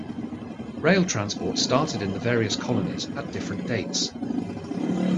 Rail transport started in the various colonies at different dates.